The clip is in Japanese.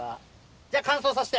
じゃあ、乾燥させて。